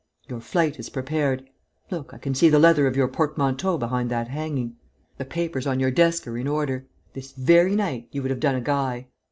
Your flight is prepared. Look, I can see the leather of your portmanteau behind that hanging. The papers on your desk are in order. This very night, you would have done a guy.